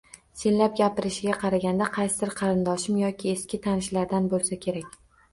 Senlab gapirishiga qaraganda qaysidir qarindoshim yoki eski tanishlardan bo`lsa kerak